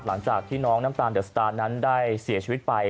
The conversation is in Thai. หลังจากที่น้องน้ำตาลเดอะสตาร์นั้นได้เสียชีวิตไป